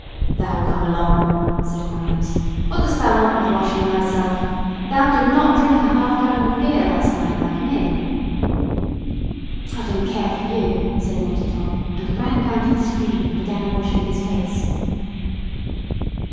"Thou come along," said Grimes; "what dost want with washing thyself? Thou did not drink half a gallon of beer last night, like me." "I don't care for you," said naughty Tom, and ran down to the stream, and began washing his face.